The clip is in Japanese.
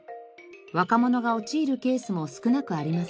若者が陥るケースも少なくありません。